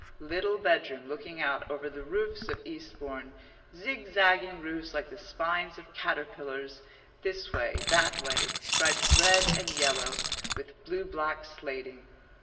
little bedroom looking out over the roofs of Eastbourne zigzagging roofs like the spines of caterpillars, this way, that way, striped red and yellow, with blue black slating].